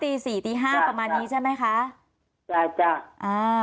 ตี๔ตี๕ประมาณนี้ใช่ไหมคะค่ะครับค่ะ